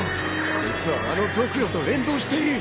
こいつはあのどくろと連動している！